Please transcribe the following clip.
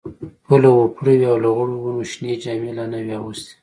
پوله وپړه وې او لغړو ونو شنې جامې لا نه وې اغوستي.